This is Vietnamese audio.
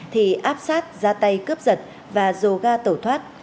thì áp sát ra tay cướp giật và dồ ga tẩu thoát